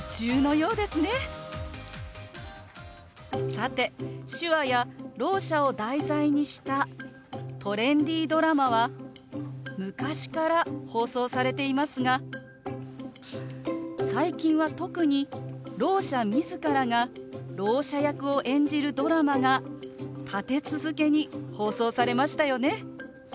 さて手話やろう者を題材にしたトレンディードラマは昔から放送されていますが最近は特にろう者自らがろう者役を演じるドラマが立て続けに放送されましたよね。